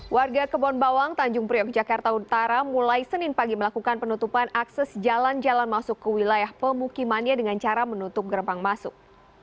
warga kebonbawang tanjung priok jakarta utara mulai senin pagi melakukan penutupan akses jalan jalan masuk ke wilayah pemukimannya dengan cara menutup gerbang masuk